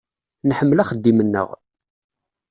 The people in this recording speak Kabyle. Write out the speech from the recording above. Nḥemmel axeddim-nneɣ.